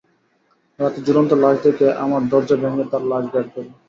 রাতে ঝুলন্ত লাশ দেখে আমার দরজা ভেঙে তার লাশ বের করি।